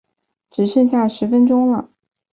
只剩下十分钟了